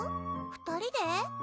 ２人で？